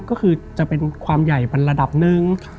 ก็คือจะเป็นความใหญ่เป็นระดับหนึ่ง